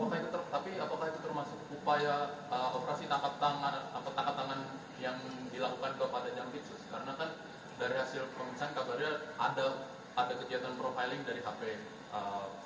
kabarnya ada kegiatan profiling dari hp